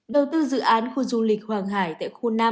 đầu tư dự án khu du lịch hoàng hải tại khu năm